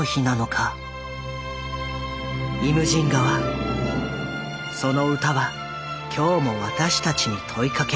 「イムジン河」その歌は今日も私たちに問いかける。